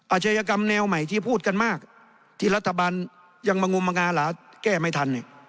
อาชญากรรมแนวใหม่ที่พูดกันมากที่รัฐบาลยังมางมมางาหลาแก้ไม่ทัน